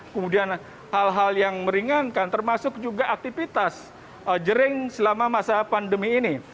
kemudian hal hal yang meringankan termasuk juga aktivitas jering selama masa pandemi ini